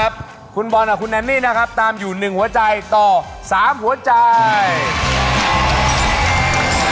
หลายคนก็อาจจะไม่คุ้นเคยกับเครื่องมือช่างที่เรามีอยู่